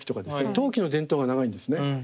陶器の伝統が長いんですね。